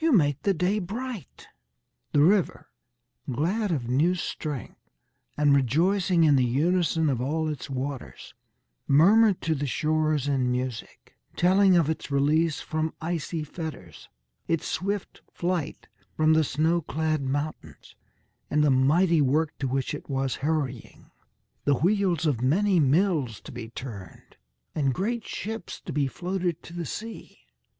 You make the day bright." The river, glad of new strength and rejoicing in the unison of all its waters, murmured to the shores in music, telling of its release from icy fetters, its swift flight from the snow clad mountains, and the mighty work to which it was hurrying the wheels of many mills to be turned, and great ships to be floated to the sea.